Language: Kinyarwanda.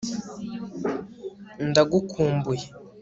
ndagukumbuye